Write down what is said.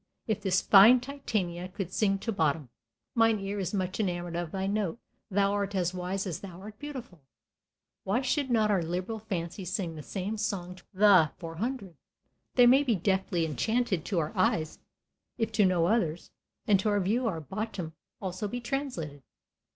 If the fine Titania could sing to Bottom, "Mine ear is much enamored of thy note, ... Thou art as wise as thou art beautiful," why should not our liberal fancy sing the same song to the Four Hundred? They may be deftly enchanted to our eyes if to no others, and to our view our Bottom also be translated.